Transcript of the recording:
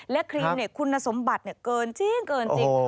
และครีมคุณสมบัติเกินจริงเกินจริง